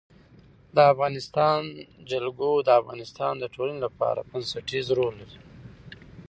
د افغانستان جلکو د افغانستان د ټولنې لپاره بنسټيز رول لري.